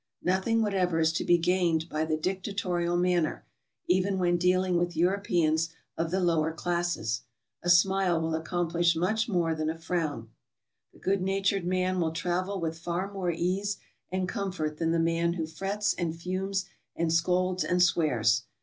Nothing whatever is to be gained by the dic tatorial manner, even when dealing with Europeans of the lower classes. A smile will accomplish much more than a frown. The good natured man will travel with far more ease and comfort than the man who frets and fumes and scolds and swears.